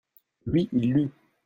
lui, il lut.